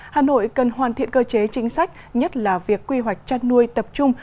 hà nội cần hoàn thiện cơ chế chính sách nhất là việc quy hoạch chăn nuôi tập trung